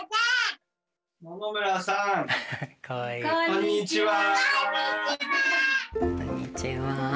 こんにちは。